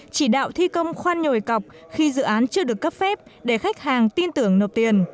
chỉ đạo thi công khoan nhồi cọc khi dự án chưa được cấp phép để khách hàng tin tưởng nộp tiền